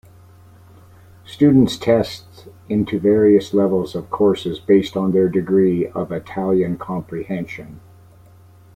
Students test into various levels of courses based on their degree of Italian comprehension.